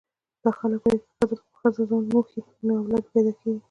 دا خلک وايي که ښځه په ښځه ځان وموښي نو اولاد یې پیدا کېږي.